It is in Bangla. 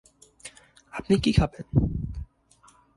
আপনি কী খাবেন?